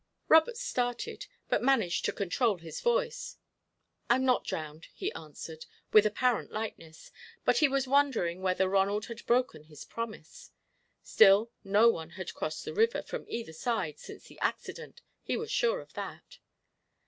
Robert started, but managed to control his voice. "I'm not drowned," he answered, with apparent lightness; but he was wondering whether Ronald had broken his promise. Still, no one had crossed the river, from either side, since the accident he was sure of that.